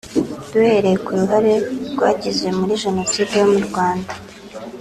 Duhereye ku ruhare ryagize muri jenoside yo mu Rwanda